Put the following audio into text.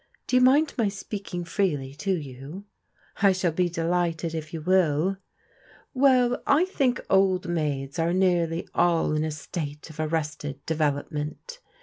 Do you mind my speaking freely to you? " I shaU be delighted if you will." " Well, I think old maids are nearly all in a state of arrested development.